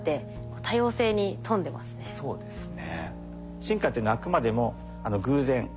そうですね。